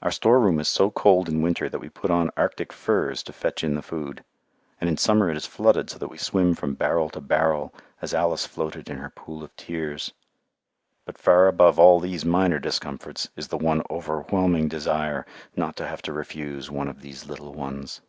Our storeroom is so cold in winter that we put on Arctic furs to fetch in the food, and in summer it is flooded so that we swim from barrel to barrel as Alice floated in her pool of tears. But far above all these minor discomforts is the one overwhelming desire not to have to refuse "one of these little ones."